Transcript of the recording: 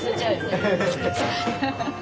ハハハハ。